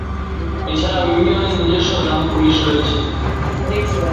এছাড়াও ইউনিয়নের নিজস্ব গ্রাম পুলিশ রয়েছে।